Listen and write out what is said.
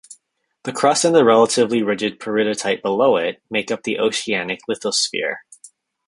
The crust and the relatively rigid peridotite below it make up the oceanic lithosphere.